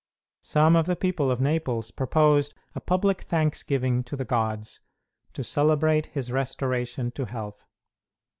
Some of the people of Naples proposed a public thanksgiving to the gods, to celebrate his restoration to health.